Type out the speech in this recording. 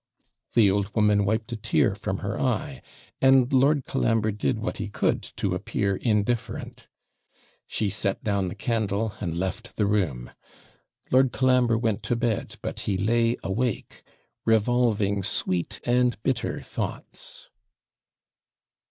The old woman wiped a tear from her eye, and Lord Colambre did what he could to appear indifferent. She set down the candle, and left the room; Lord Colambre went to bed, but he lay awake, 'revolving sweet and bitter thoughts.'